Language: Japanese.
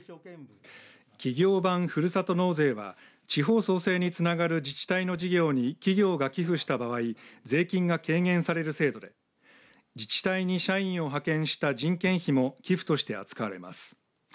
企業版ふるさと納税は地方創生につながる自治体の事業に企業が寄付した場合税金が軽減される制度で自治体に社員を派遣した人件費も寄付として扱われます。